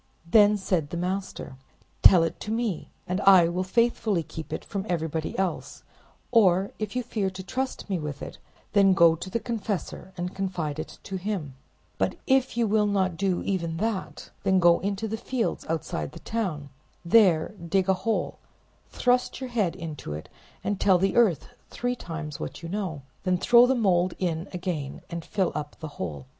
Then said the master— "Tell it to me, and I will faithfully keep it from everybody else; or if you fear to trust me with it, then go to the confessor and confide it to him; but if you will not do even that, then go into the fields outside the town, there dig a hole, thrust your head into it, and tell the earth three times what you know, then throw the mold in again and fill up the hole."